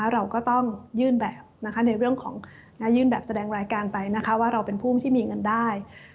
เราก็ต้องยื่นแบบในเรื่องของยื่นแบบแสดงรายการไปว่าเราเป็นผู้ที่มีเงินได้